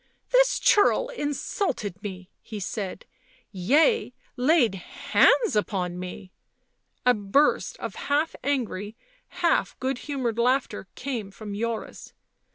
" This churl insulted me," he said; " yea, laid hands upon me." A burst of half angry, half good humoured laughter came from Joris.